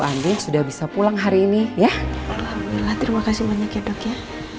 pak andi sudah bisa pulang hari ini ya alhamdulillah terima kasih banyak ya dok ya